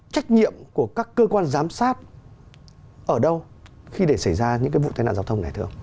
trách nhiệm của các cơ quan giám sát ở đâu khi để xảy ra những cái vụ tai nạn giao thông này thưa ông